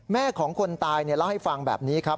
แม่ของคนตายเล่าให้ฟังแบบนี้ครับ